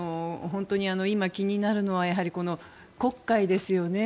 本当に今、気になるのは黒海ですよね。